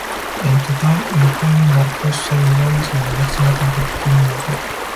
En total Inzaghi marcó seis goles en la máxima competición europea.